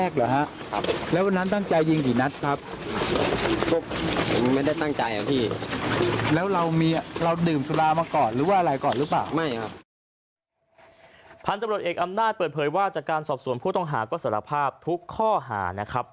ก่อนหรือเปล่าไม่ครับพันธุรกิจเอกอำนาจเปิดเผยว่าจากการสอบส่วนผู้ต้องหาก็สารภาพทุกข้อหานะครับ